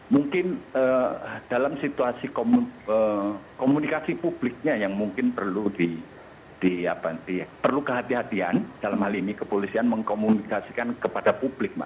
mungkin dalam situasi komunikasi publiknya yang mungkin perlu di di apa di perlu kehati hatian dalam hal ini kepolisian mengkomunikasikan kepada publik mak